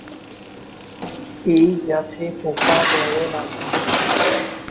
এই গাছে পোকা ধরে না।